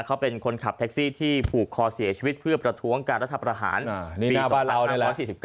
เขาเป็นคนขับแท็กซี่ที่ผูกคอเสียชีวิตเพื่อประท้วงการรัฐประหารปีมาแล้ว๑๔๙